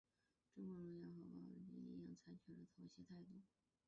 中共中央和鲍罗廷一样采取了妥协态度。